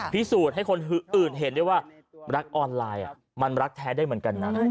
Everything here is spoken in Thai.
พิสูจน์ให้คนอื่นเห็นได้ว่ารักออนไลน์มันรักแท้ได้เหมือนกันนะ